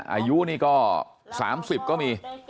อายุนี่ก็๓๐ก็มี